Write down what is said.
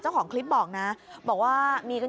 เย็นไปอยู่บ้านตะวันดีเลย